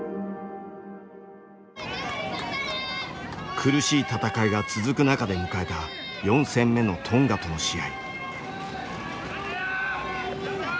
苦しい戦いが続く中で迎えた４戦目のトンガとの試合。